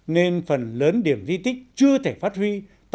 nên phần lớn điểm di tích chưa thể phát huy